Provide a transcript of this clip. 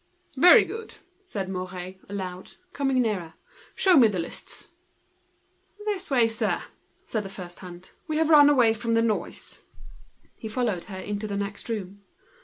"Very good!" said Mouret, aloud, coming nearer. "Show me the lists." "This way, sir," said the first hand. "We have run away from the noise." He followed her into the next room.